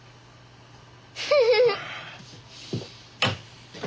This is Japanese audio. フフフ。